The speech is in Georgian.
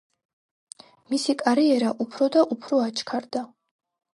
მისი კარიერა უფრო და უფრო აჩქარდა.